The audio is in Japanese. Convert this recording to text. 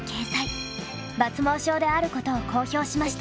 抜毛症であることを公表しました。